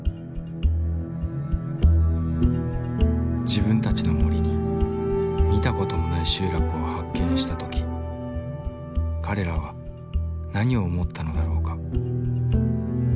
自分たちの森に見た事もない集落を発見した時彼らは何を思ったのだろうか。